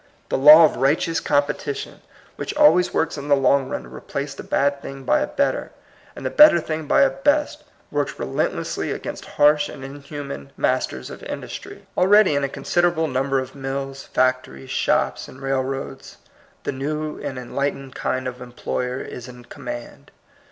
The law of righteous competition. 20 THE COMING PEOPLE. which alwajrs works in the long run to re place the bad thing by a better, and the better thing by a best, works relentlessly against harsh and inhuman masters of industry. Already, in a considerable num ber of mills, factories, shops, and rail roads, the new and enlightened kind of employer is in command.